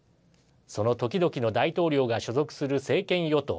その時々の大統領が所属する政権与党